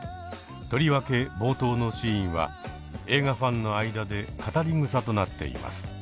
とりわけ冒頭のシーンは映画ファンの間で語りぐさとなっています。